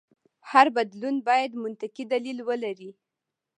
هر بدلون باید منطقي دلیل ولري.